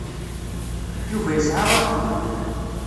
Yuba yesɛa axeddim.